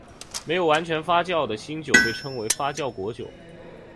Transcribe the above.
没有完全发酵的新酒被称为发酵果酒。